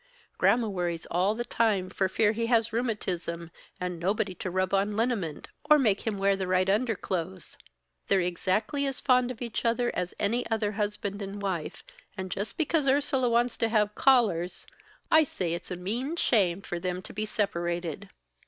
Gramma worries all the time for fear he has rheumatism, and nobody to rub on liniment, or make him wear the right underclothes. They're exactly as fond of each other as any other husband and wife, and just because Ursula wants to have callers, I say it's a mean shame for them to be separated!"